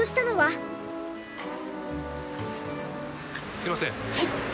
すいません。